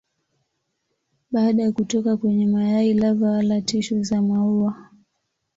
Baada ya kutoka kwenye mayai lava wala tishu za maua.